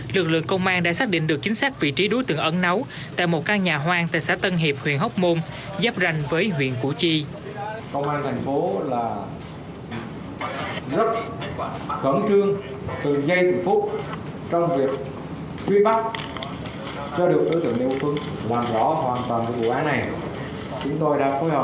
lực lượng công an đã xác định được chính xác vị trí đối tượng ẩn nấu tại một căn nhà hoang tại xã tân hiệp huyện hóc môn giáp ranh với huyện củ chi